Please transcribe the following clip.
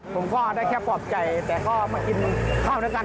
ผมก็ได้แค่ปลอบใจแต่ก็มากินข้าวด้วยกัน